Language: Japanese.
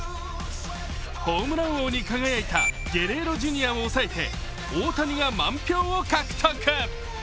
ホームラン王に輝いたゲレーロ・ジュニアを抑えて、大谷が満票を獲得。